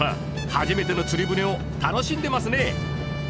初めての釣り船を楽しんでますね。